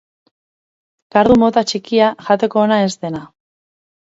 Kardu mota txikia, jateko ona ez dena.